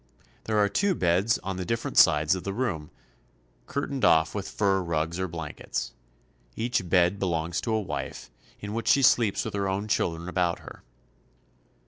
There are two beds on the different sides of the room, curtained off with fur rugs or blankets. Each bed be longs to a wife, in which she sleeps with her own children about her.